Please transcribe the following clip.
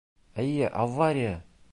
Эйе, авария!